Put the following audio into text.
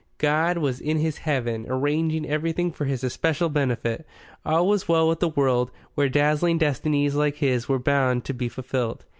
God was in His Heaven, arranging everything for his especial benefit. All was well with the world where dazzling destinies like his were bound to be fulfilled.